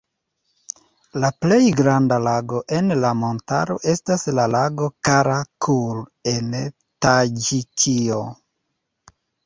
La plej granda lago en la montaro estas la lago Kara-Kul en Taĝikio.